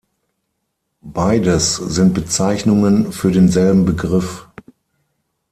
Beides sind Bezeichnungen für denselben Begriff.